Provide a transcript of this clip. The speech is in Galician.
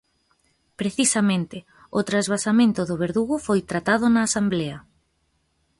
Precisamente, o transvasamento do Verdugo foi tratado na asemblea.